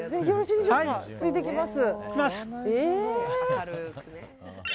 ついていきます。